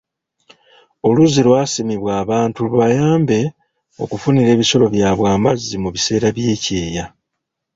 Oluzzi lwasimibwa abantu lubayambe okufunira ebisolo byabwe amazzi mu biseera by'ekyeya.